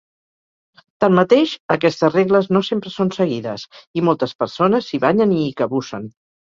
Tanmateix, aquestes regles no sempre són seguides i moltes persones s'hi banyen i hi cabussen.